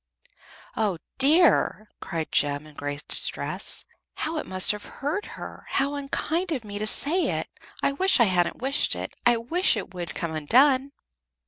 "Oh, dear!" cried Jem, in great distress. "How it must have hurt her! How unkind of me to say it! I wish I hadn't wished it. I wish it would come undone."